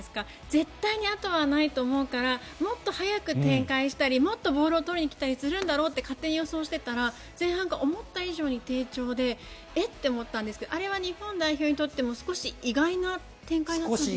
絶対にあとはないと思うからもっと早く展開したりもっとボールを取りにきたりするんだろうって勝手に予想していたら前半から思った以上に低調でえ？って思ったんですがあれは日本代表にとっても少し意外な展開だったんですか？